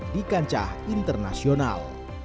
di kancah internasional